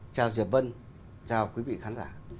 chào dạy vân chào quý vị khán giả